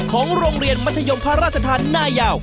ของโรงเรียนมัธยมพระราชทานหน้ายาว